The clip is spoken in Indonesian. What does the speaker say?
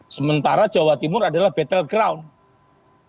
sementara jawa timur adalah battle ground